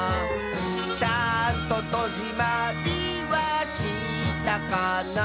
「ちゃんととじまりはしたかな」